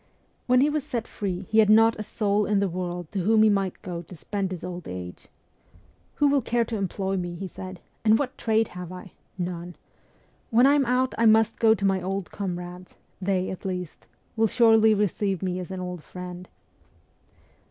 When he was set free he had not a soul in the world to whom he might go to spend his old age. ' Who will care to employ me ?' he said. ' And what trade have I ? None ! When I am out I must go to my old comrades ; they, at least, will surely receive me as an old friend.'